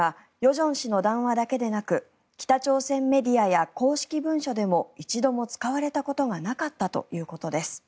正氏の談話だけでなく北朝鮮メディアや公式文書でも一度も使われたことがなかったということです。